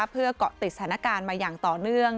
เพื่อเกาะติดสถานการณ์มาอย่างต่อเนื่อง